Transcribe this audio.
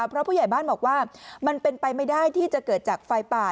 เพราะผู้ใหญ่บ้านบอกว่ามันเป็นไปไม่ได้ที่จะเกิดจากไฟป่า